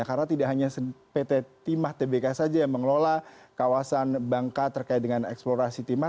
karena tidak hanya pt timah tbk saja yang mengelola kawasan bangka terkait dengan eksplorasi timah